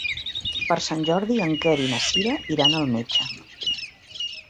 Per Sant Jordi en Quer i na Cira iran al metge.